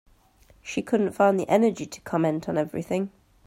She couldn’t find the energy to comment on everything.